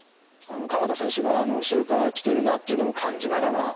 鎌田選手が後ろから来ているなというのも感じながら。